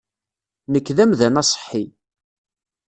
Nekk d amdan aṣeḥḥi.